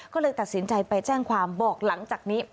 ก็เลยตัดสินใจไปแจ้งความบอกหลังจากนี้